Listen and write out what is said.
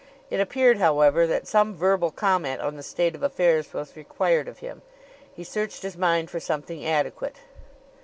It appeared, however, that some verbal comment on the state of affairs was required of him. He searched his mind for something adequate.